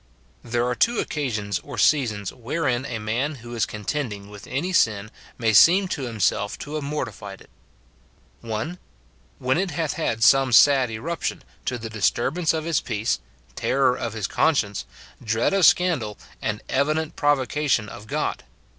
There are two occasions or seasons wherein a man who is contending with any sin may seem to himself to have mortified it :— [1.] When it hath had some sad eruption, to the dis turbance of his peace, terror of his conscience, dread of scandal, and evident provocation of God.